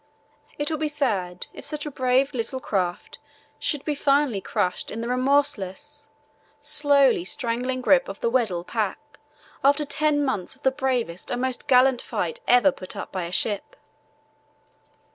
It will be sad if such a brave little craft should be finally crushed in the remorseless, slowly strangling grip of the Weddell pack after ten months of the bravest and most gallant fight ever put up by a ship."